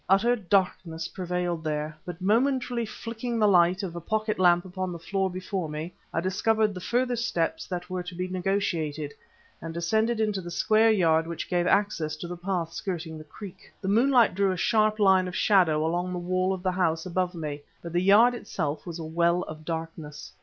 Utter darkness prevailed there, but momentarily flicking the light of a pocket lamp upon the floor before me, I discovered the further steps that were to be negotiated, and descended into the square yard which gave access to the path skirting the creek. The moonlight drew a sharp line of shadow along the wall of the house above me, but the yard itself was a well of darkness.